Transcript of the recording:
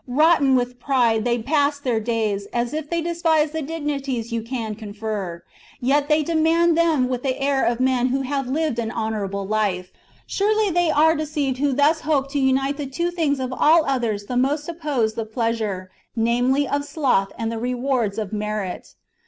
* Rotten with pride, they pass their days, as if they despised the 'dignities you can confer ; yet they demand them with the air of men who have lived an honourable life. Surely they are deceived who thus hope to unite the two things of all others the most opposed — the pleasure, namely, of sloth and the rewards of merit.